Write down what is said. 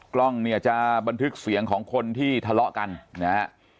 กล้องเนี่ยจะบันทึกเสียงของคนที่ทะเลาะกันนะฮะ